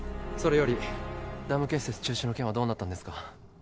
それよりダム建設中止の件はどうなったんですか？